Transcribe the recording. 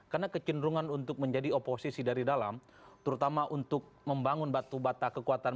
karena kecenderungan untuk menjadi oposisi dari dalam terutama untuk membangun batu bata kekuatan